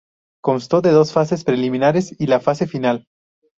Constó de dos fases preliminares y la fase final.